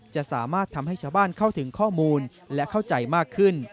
จะสามารถทำให้ชาวบ้านเข้าถึงข้อมูลและเข้าใจมากขึ้น